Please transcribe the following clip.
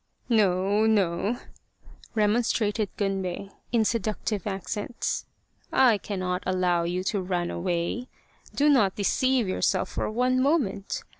" No, no," remonstrated Gunbei in seductive ac cents, " I cannot allow you to run away do not de ceive yourself for one moment.